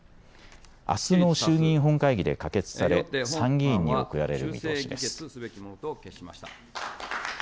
あすの衆議院本会議で可決され参議院に送られる見通しです。